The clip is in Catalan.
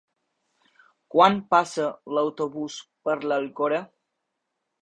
Quan passa l'autobús per l'Alcora?